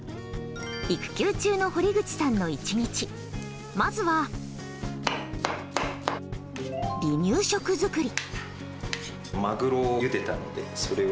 育休中の堀口さんの１日まずは、離乳食作り。